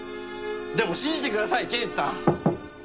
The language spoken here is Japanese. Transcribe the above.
でも信じてください刑事さん。